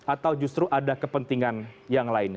atau justru ada kepentingan yang lainnya